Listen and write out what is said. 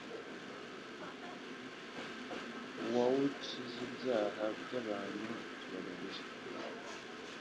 wow'ukiz'ibyaha by'abantu tubabarire